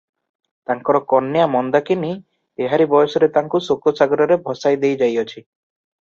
ତାଙ୍କର କନ୍ୟା ମନ୍ଦାକିନୀ ଏହାରି ବୟସରେ ତାଙ୍କୁ ଶୋକ-ସାଗରରେ ଭସାଇ ଦେଇ ଯାଇଅଛି ।